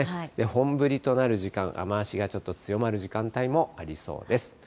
本降りとなる時間、雨足がちょっと強まる時間帯もありそうです。